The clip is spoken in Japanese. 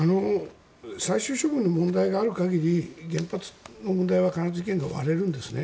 最終処分の問題がある限り原発の問題は必ず意見が割れるんですね。